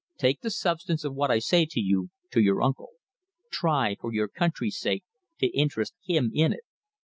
"Take the substance of what I say to you, to your uncle. Try, for your country's sake, to interest him in it.